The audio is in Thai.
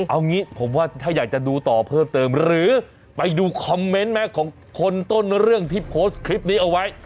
เอางี้ผมว่าถ้าอยากจะดูต่อเพิ่มเติมหรือไปดูคอมเมนต์ไหมของคนต้นเรื่องที่โพสต์คลิปนี้เอาไว้